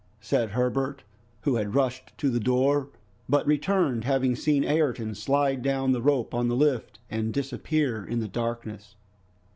said Herbert, who had rushed to the door, but returned, having seen Ayrton slide down the rope on the lift and disappear in the darkness.